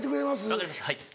分かりましたはい。